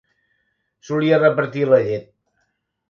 Solia repartir la llet.